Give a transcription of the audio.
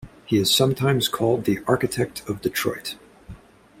He is sometimes called the "architect of Detroit".